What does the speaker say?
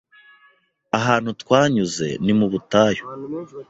Ahantu twanyuze ni mu butayu.